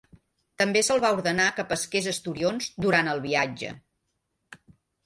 També se'l va ordenar que pesqués esturions durant el viatge.